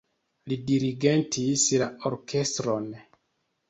Li dirigentis la orkestron.